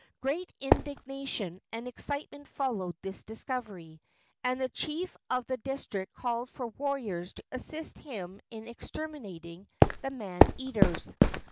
Great indignation and excitement followed this discovery, and the chief of the district called for warriors to assist him in exterminating the man eaters.